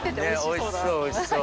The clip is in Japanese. おいしそうおいしそう。